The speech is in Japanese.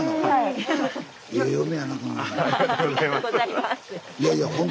はい。